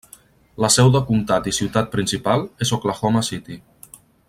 La seu de comtat i ciutat principal és Oklahoma City.